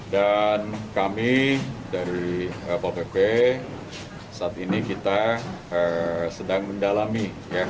dan kami dari satpol pp saat ini kita sedang mendalami